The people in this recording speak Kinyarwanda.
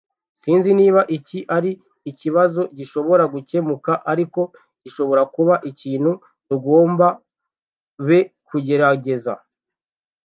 Sinzi niba iki ari ikibazo gishobora gukemuka, ariko gishobora kuba ikintu tugomba be Kugerageza.